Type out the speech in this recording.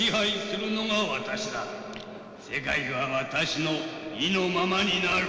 世界は私の意のままになる」。